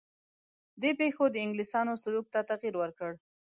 دې پېښو د انګلیسیانو سلوک ته تغییر ورکړ.